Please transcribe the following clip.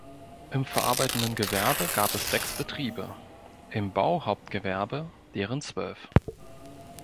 Im verarbeitenden Gewerbe gab es sechs Betriebe, im Bauhauptgewerbe deren zwölf.